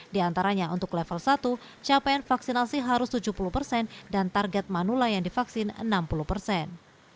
di antaranya untuk level satu capaian vaksinasi harus tujuh puluh persen dan target manula yang divaksin enam puluh persen